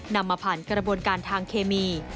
นำมาผ่านกระบวนการทางเคมี